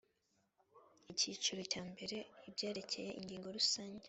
icyiciro cya mbere ibyerekeye ingingo rusange